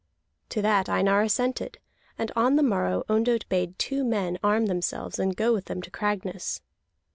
To that Einar assented, and on the morrow Ondott bade two men arm themselves and go with them to Cragness.